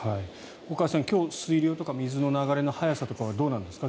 岡安さん、今日水流とか川の流れの速さはどうなんですか？